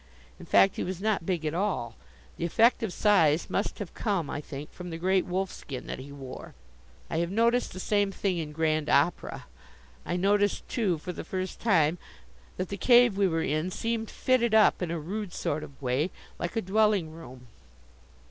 In fact he was not big at all. The effect of size must have come, I think, from the great wolfskin that he wore. I have noticed the same thing in Grand Opera. I noticed, too, for the first time that the cave we were in seemed fitted up, in a rude sort of way, like a dwelling room.